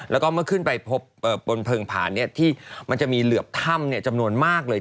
แล้วก็เมื่อขึ้นไปพบบนเพลิงผ่านที่มันจะมีเหลือบถ้ำจำนวนมากเลย